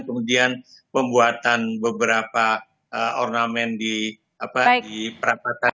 kemudian pembuatan beberapa ornamen di perapatan